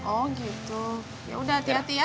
oh gitu yaudah hati hati ya